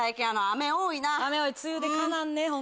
梅雨でかなわんね。